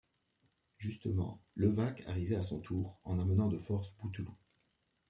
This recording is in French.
Justement, Levaque arrivait à son tour, en amenant de force Bouteloup.